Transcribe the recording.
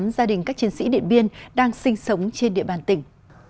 một trăm hai mươi tám gia đình các chiến sĩ điện biên đang sinh sống trên địa bàn tỉnh